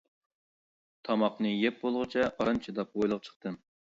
تاماقنى يەپ بولغۇچە ئاران چىداپ، ھويلىغا چىقتىم.